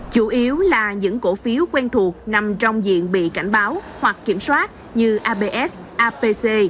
chủ yếu là những cổ phiếu quen thuộc nằm trong diện bị cảnh báo hoặc kiểm soát như abs apc